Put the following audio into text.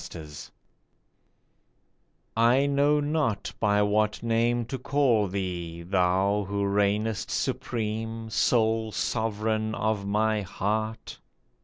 THE NAME I KNOW not by what name to call thee, thou Who reignest supreme, sole sovereign of my heart